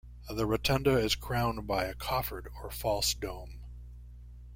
The rotunda is crowned by a coffered or false dome.